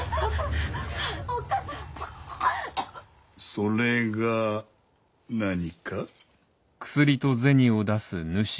それが何か？